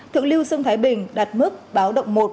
thượng lưu sông thái bình đạt mức báo động một